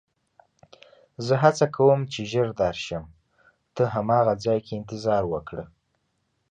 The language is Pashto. زه هڅه کوم چې ژر درشم، ته هماغه ځای کې انتظار وکړه.